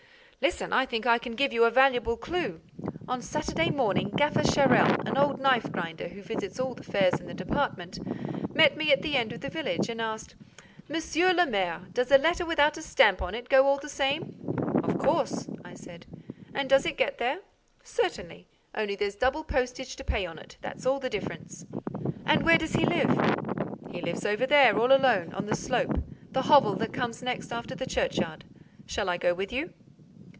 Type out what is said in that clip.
"Listen, I think I can give you a valuable clue: on Saturday morning, Gaffer Charel, an old knife grinder who visits all the fairs in the department, met me at the end of the village and asked, 'Monsieur le maire, does a letter without a stamp on it go all the same?' 'Of course,' said I. 'And does it get there?' 'Certainly. Only there's double postage to pay on it, that's all the difference.'" "And where does he live?" "He lives over there, all alone—on the slope—the hovel that comes next after the churchyard.—Shall I go with you?"